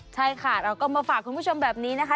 ใช่ค่ะเราก็มาฝากคุณผู้ชมแบบนี้นะคะ